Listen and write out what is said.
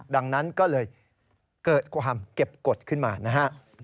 ดังนั้นก็เลยเกิดความเก็บกฎขึ้นมานะฮะ